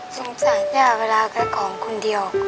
สงสารย่าเวลาขายของคนเดียว